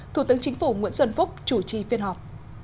thủ tướng chính phủ nguyễn xuân phúc chủ trì phiên họp